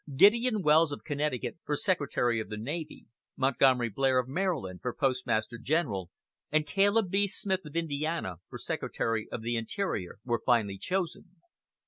Gideon Welles, of Connecticut, for Secretary of the Navy; Montgomery Blair, of Maryland, for Postmaster General; and Caleb B. Smith, of Indiana, for Secretary of the Interior, were finally chosen.